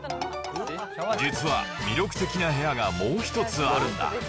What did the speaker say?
実は、魅力的な部屋がもう１つあるんだ。